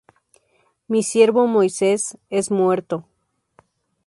Mi siervo Moisés es muerto.